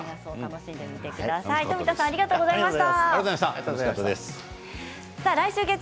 富田さんありがとうございました。